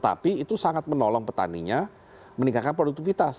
tapi itu sangat menolong petaninya meningkatkan produktivitas